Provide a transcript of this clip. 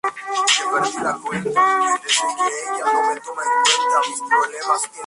Cristaliza en forma de agujas en agua caliente.